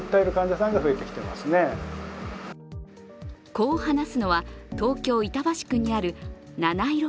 こう話すのは東京・板橋区にあるなないろ